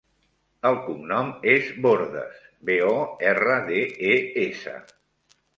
El cognom és Bordes: be, o, erra, de, e, essa.